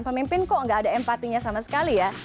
pemimpin kok gak ada empatinya sama sekali ya